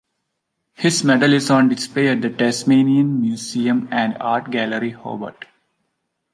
His medal is on display at the Tasmanian Museum and Art Gallery, Hobart.